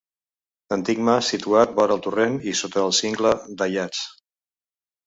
Antic mas situat vora el torrent i sota el cingle d'Aiats.